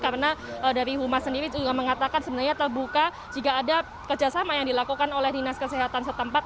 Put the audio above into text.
karena dari humas sendiri juga mengatakan sebenarnya terbuka jika ada kerjasama yang dilakukan oleh dinas kesehatan setempat